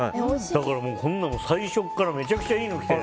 だから、こんなの最初からめちゃくちゃいいのが来て。